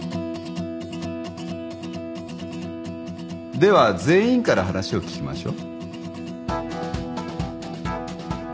では全員から話を聞きましょう。